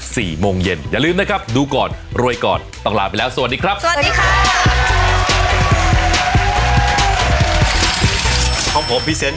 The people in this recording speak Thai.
สมมุติคำมันเป็นทั้งลีมอนและเป็นลาง